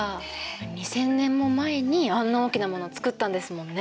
２，０００年も前にあんな大きなものつくったんですもんね。